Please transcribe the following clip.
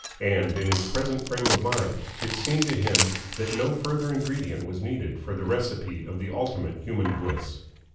And in his present frame of mind it seemed to him that no further ingredient was needed for the recipe of the ultimate human bliss.